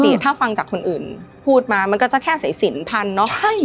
ถ้าฟังจากคนอื่นพูดมามันก็จะแค่สายสินพันเนาะ